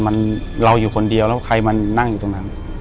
มันเราอยู่คนเดียวแล้วใครมานั่งอยู่ตรงนั้น